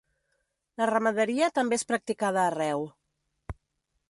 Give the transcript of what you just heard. La ramaderia també és practicada arreu.